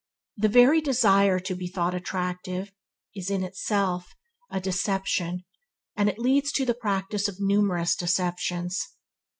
The very desire to be thought attractive is, in itself, a deception, and it leads to the practice of numerous deceptions.